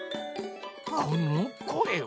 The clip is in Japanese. このこえは？